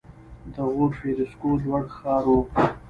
د غور فیروزکوه لوړ ښار و